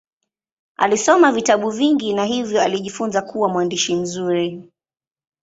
Alisoma vitabu vingi na hivyo alijifunza kuwa mwandishi mzuri.